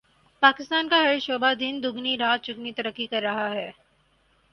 پاکستان کا ہر شعبہ دن دگنی رات چگنی ترقی کر رہا ہے